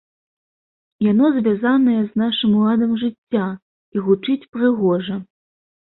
Яно звязанае з нашым ладам жыцця і гучыць прыгожа!